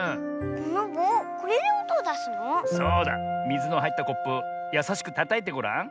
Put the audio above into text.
みずのはいったコップやさしくたたいてごらん。